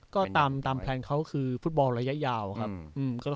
ก็ตามแพลนเขาคือฟุตบอลระยะยาวครับ